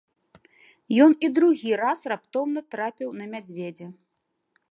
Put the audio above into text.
Ён і другі раз раптоўна трапіў на мядзведзя.